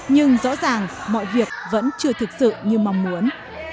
nhưng rõ ràng mọi việc vẫn chưa thực sự như mong muốn